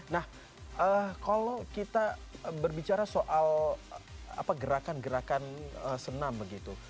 nah kalau kita berbicara soal gerakan gerakan senam begitu